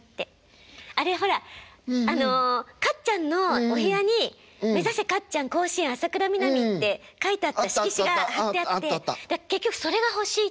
あれほらあのカッちゃんのお部屋に「めざせカッちゃん甲子園！浅倉南」って書いてあった色紙が貼ってあって結局それが欲しいって。